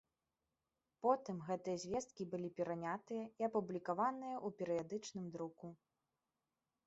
Потым гэтыя звесткі былі перанятыя і апублікаваныя ў пэрыядычным друку.